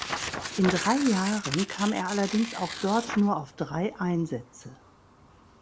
In drei Jahren kam er allerdings auch dort nur auf drei Einsätze.